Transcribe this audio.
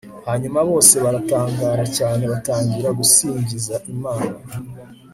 hanyuma bose baratangara cyane batangira gusingiza imana